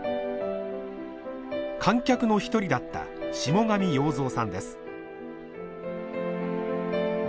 観客の一人だった下神洋造さんです。